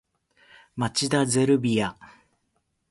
町田ゼルビア